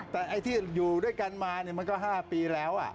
แต่ไอ้ที่อยู่ด้วยกันมามันก็๕ปีแล้ว